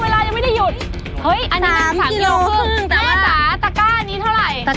ไม้ลองข้างหลังเหรอคะ